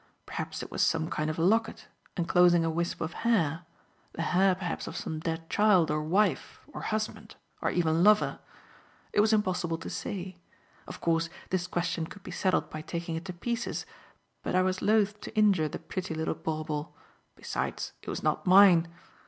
Perhaps it was some kind of locket, enclosing a wisp of hair; the hair perhaps of some dead child or wife or husband or even lover. It was impossible to say. Of course, this question could be settled by taking it to pieces, but I was loth to injure the pretty little bauble; besides it was not mine.